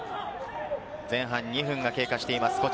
前半２分が経過しています。